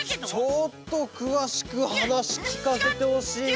ちょっとくわしくはなしきかせてほしいな。